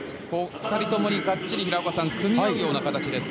２人ともにがっちり組み合うような形ですが。